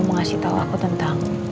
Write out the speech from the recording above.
mengasih tau aku tentang